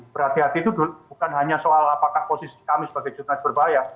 berhati hati itu bukan hanya soal apakah posisi kami sebagai jurnalis berbahaya